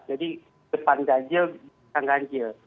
jadi depan ganjil belakang ganjil